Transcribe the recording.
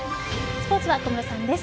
スポーツは小室さんです。